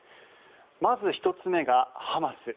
まず１つ目がハマス。